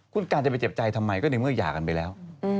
คุณการจะไปเจ็บใจทำไมก็ในเมื่อหย่ากันไปแล้ว